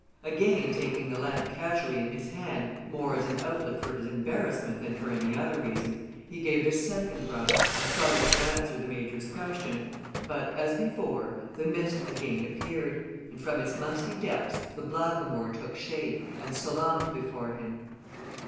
Again taking the lamp casually in his hand, more as an outlet for his embarrassment than for any other reason, he gave it a second rub and started to answer the Major's question, but, as before, the mist again appeared, and from its musty depths the blackamoor took shape and salaamed before him.